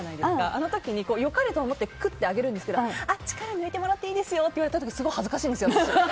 あの時に良かれと思って上げるんですけど力抜いてもらっていいですよって言われたらすごく恥ずかしいです。